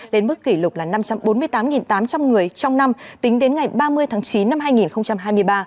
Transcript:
đến mức kỷ lục là năm trăm bốn mươi tám tám trăm linh người trong năm tính đến ngày ba mươi tháng chín năm hai nghìn hai mươi ba